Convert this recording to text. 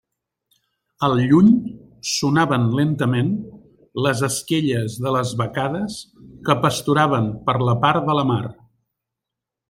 Al lluny sonaven lentament les esquelles de les vacades que pasturaven per la part de la mar.